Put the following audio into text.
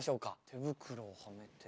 手袋をはめて。